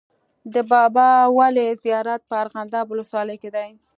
د بابا ولي زیارت په ارغنداب ولسوالۍ کي دی.